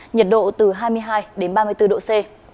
nhiệt độ từ hai mươi hai đến ba mươi bốn độ c